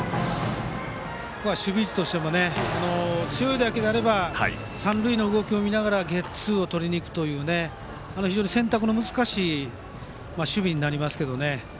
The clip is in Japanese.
ここは守備位置としても強い打球なら三塁の動きを見ながらゲッツーを取りにいくという非常に選択の難しい守備になりますけど。